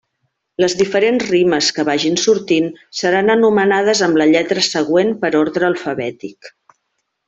Les diferents rimes que vagin sortint seran anomenades amb la lletra següent per ordre alfabètic.